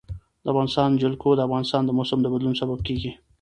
د افغانستان جلکو د افغانستان د موسم د بدلون سبب کېږي.